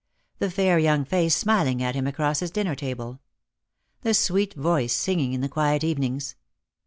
The fair young face smiling at him across his dinner table. The sweet voice singing in the quiet evenings.